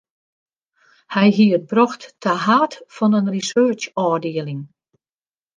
Hy hie it brocht ta haad fan in researchôfdieling.